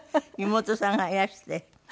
妹さんがいらして。